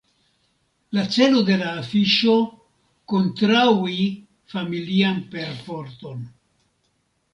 La celo de la afiŝo: kontraŭi familian perforton.